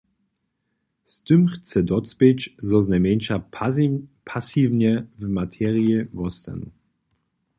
Z tym chce docpěć, zo znajmjeńša pasiwnje w materiji wostanu.